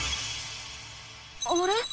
あれ？